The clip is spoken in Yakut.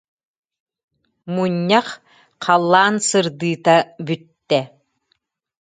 Мунньах халлаан сырдыыта бүттэ.